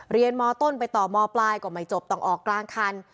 เรียนมต้นไปต่อมปลายก็ไม่จบต้องออกกลางคัน